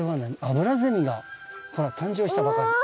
アブラゼミが誕生したばかり。